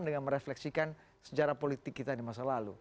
dengan merefleksikan sejarah politik kita di masa lalu